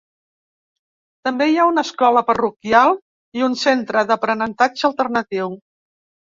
També hi ha una escola parroquial i un centre d'aprenentatge alternatiu.